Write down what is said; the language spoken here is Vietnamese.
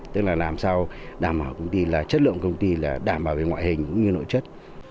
tức là làm sao đảm bảo công ty là chất lượng công ty là đảm bảo về ngoại hình cũng như nội chất